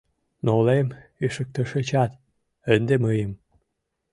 Нолем ишыктышычат, ынде мыйым